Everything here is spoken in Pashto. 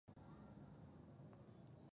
ویل جار دي تر نامه سم مُلاجانه